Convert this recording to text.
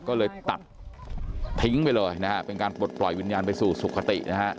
ก็เลยตัดทิ้งไปเลยนะฮะเป็นการปลดปล่อยวิญญาณไปสู่สุขตินะฮะ